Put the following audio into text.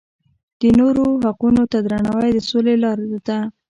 د نورو حقونو ته درناوی د سولې لاره ده.